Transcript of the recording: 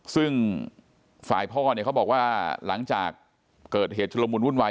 ซึ่งฝ่ายพ่อเนี่ยเขาบอกว่าหลังจากเกิดเหตุชุลมุนวุ่นวาย